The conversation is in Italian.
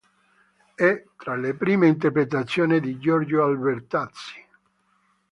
È tra le prime interpretazioni di Giorgio Albertazzi.